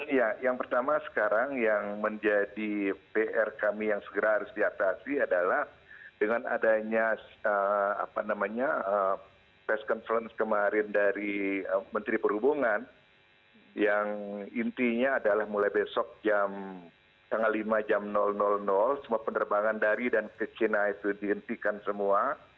iya yang pertama sekarang yang menjadi pr kami yang segera harus diatasi adalah dengan adanya apa namanya press conference kemarin dari menteri perhubungan yang intinya adalah mulai besok jam tanggal lima jam semua penerbangan dari dan ke cina itu dihentikan semua